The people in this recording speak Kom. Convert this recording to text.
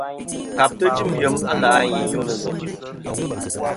Kabtɨ jɨm yem a lè' a i yus.